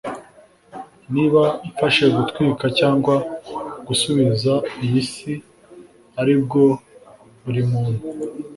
niba mfashe gutwika cyangwa gusubiza iyi si aribwo buri muntu